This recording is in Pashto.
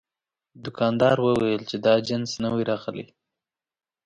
دوکاندار وویل چې دا جنس نوی راغلی.